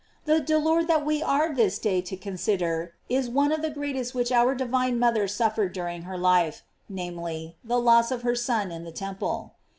The dolor that we are this day to consider is one of the greatest which our divine mother Buffered during her life, namely, the loss of her Son in the temple.